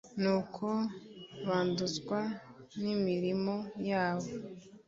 nuko banduzwa n’imirimo yabo